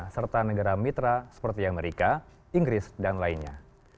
serta negara mitra seperti amerika inggris dan lainnya